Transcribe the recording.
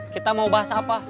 kita mau bahas apa